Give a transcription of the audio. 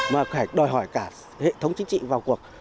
mà phải đòi hỏi cả hệ thống chính trị vào cuộc